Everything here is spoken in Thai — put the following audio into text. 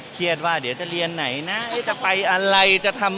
เครียดว่าเดี๋ยวจะเรียนไหนนะจะไปอะไร